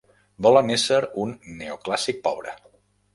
Volen ésser un neoclàssic pobre.